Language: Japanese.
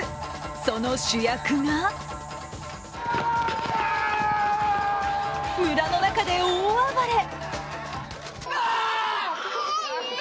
その主役が村の中で大暴れ。